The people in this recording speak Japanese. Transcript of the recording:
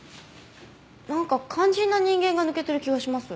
なんか肝心な人間が抜けている気がします。